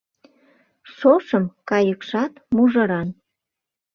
Шошым кайыкшат мужыран